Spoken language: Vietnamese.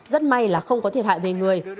rất may là không có thiệt hại về người